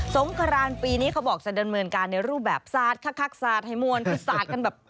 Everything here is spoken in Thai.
งครานปีนี้เขาบอกจะดำเนินการในรูปแบบสาดคักสาดให้มวลคือสาดกันแบบ